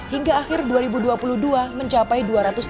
hingga akhir dua ribu dua puluh dua mencapai dua ratus dua puluh